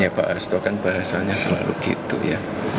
ya pak hasto kan bahasanya selalu gitu ya